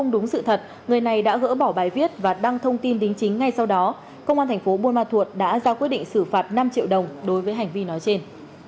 đã gỡ bỏ bài viết và đăng thông tin đính chính ngay sau đó công an thành phố buôn ma thuột đã ra quyết định xử phạt năm triệu đồng đối với hành vi nói trên